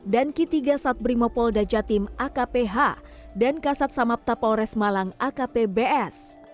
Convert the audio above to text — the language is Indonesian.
dan ketiga sat brimopolda jatim akph dan kasat samapta polres malang akpbs